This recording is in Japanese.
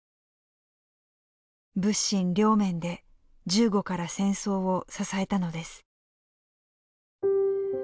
物心両面で銃後から戦争を支えたのです。